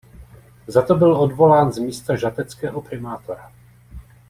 Za to byl odvolán z místa žateckého primátora.